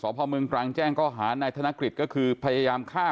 นะครับสพเมืงกรังแจ้งก้อหาในธนคริตก็คือพยายามฆ่า